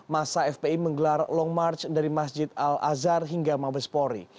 masa fpi menggelar long march dari masjid al azhar hingga mabespori